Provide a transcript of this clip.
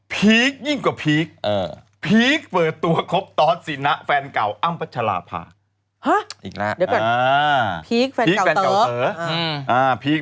พีคยิ่งกว่าพีค